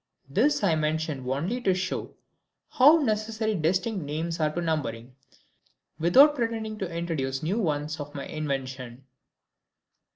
This I mention only to show how necessary distinct names are to numbering, without pretending to introduce new ones of my invention.